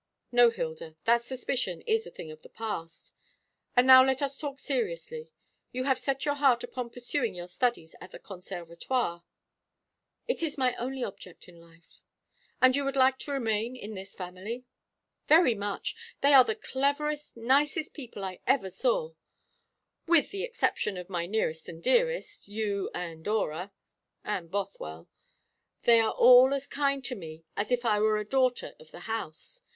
"No, Hilda, that suspicion is a thing of the past. And now let us talk seriously. You have set your heart upon pursuing your studies at the Conservatoire?" "It is my only object in life." "And you would like to remain in this family?" "Very much. They are the cleverest, nicest people I ever knew with the exception of my nearest and dearest, you and Dora and Bothwell. They are all as kind to me as if I were a daughter of the house.